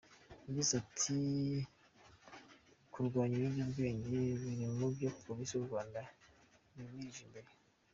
Yagize ati,"Kurwanya ibiyobyabwenge biri mu byo Polisi y’u Rwanda yimirije imbere.